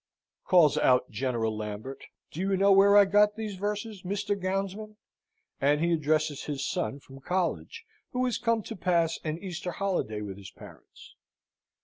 calls out General Lambert. "Do you know where I got these verses, Mr. Gownsman?" and he addresses his son from college, who is come to pass an Easter holiday with his parents.